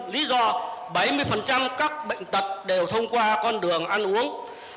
lý do bảy mươi các bệnh tật đều thông qua con đường ăn uống